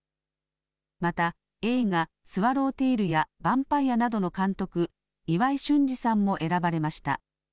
また映画、スワロウテイルやヴァンパイアなどの監督、岩井俊二さんも選ばれました。